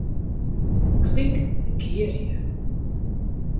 Klik Negearje.